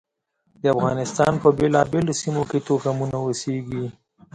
د افغانستان په بېلابېلو سیمو کې توکمونه اوسېږي.